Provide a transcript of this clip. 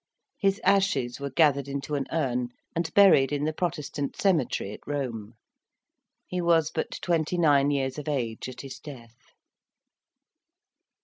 His ashes were gathered into an urn, and buried in the Protestant cemetery at Rome. He was but twenty nine years of age at his death.